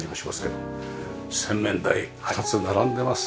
洗面台２つ並んでます。